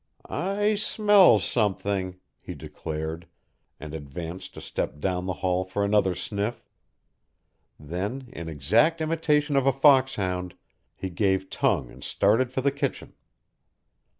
"I smell something," he declared, and advanced a step down the hall for another sniff; then, in exact imitation of a foxhound, he gave tongue and started for the kitchen.